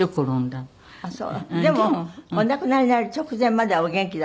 でもお亡くなりになる直前まではお元気だったんですって？